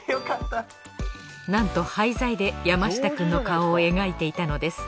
なんと廃材で山下くんの顔を描いていたのです。